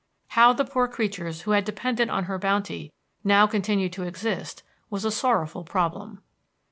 How the poor creatures who had depended on her bounty now continued to exist was a sorrowful problem.